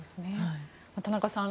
田中さん